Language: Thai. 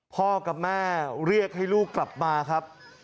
พ่อกับแม่เรียกให้ลูกกลับมาครับ